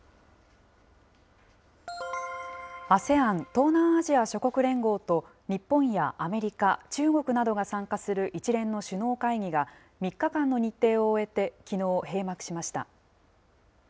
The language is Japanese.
ＡＳＥＡＮ・東南アジア諸国連合と日本やアメリカ、中国などが参加する一連の首脳会議が、３日間の日程を終えて、きのう閉幕しました。